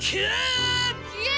きえ！